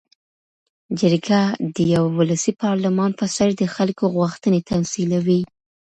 جرګه د یوه ولسي پارلمان په څېر د خلکو غوښتنې تمثیلوي.